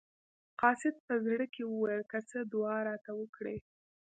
قاصد په زړه کې وویل که څه دعا راته وکړي.